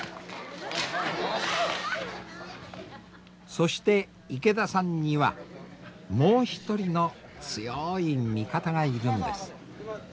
そして池田さんにはもう一人の強い味方がいるんです。